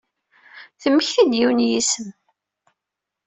Temmekti-d yiwen n yisem.